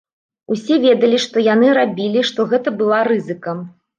Усе ведалі, што яны рабілі, што гэта была рызыка.